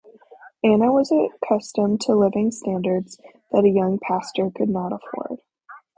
Anna was accustomed to living standards that a young pastor could not afford.